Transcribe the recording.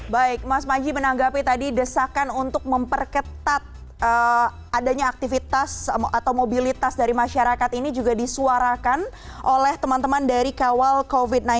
baik mas maji menanggapi tadi desakan untuk memperketat adanya aktivitas atau mobilitas dari masyarakat ini juga disuarakan oleh teman teman dari kawal covid sembilan belas